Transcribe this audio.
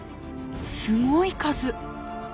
すごい数！